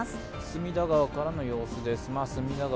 隅田川からの様子です。